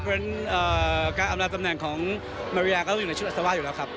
เพราะฉะนั้นการอำลาตำแหน่งของมาริยาก็อยู่ในชุดอซาวาอยู่แล้วครับ